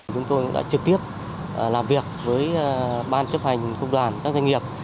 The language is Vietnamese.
chúng tôi đã trực tiếp làm việc với ban chấp hành công đoàn các doanh nghiệp